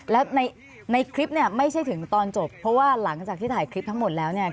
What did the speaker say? แล้วในคลิปเนี่ยไม่ใช่ถึงตอนจบเพราะว่าหลังจากที่ถ่ายคลิปทั้งหมดแล้วเนี่ย